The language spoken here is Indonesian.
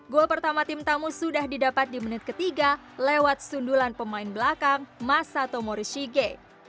gol pertama tim tamu sudah didapat di menit ketiga lewat sundulan pemain belakang masato morishige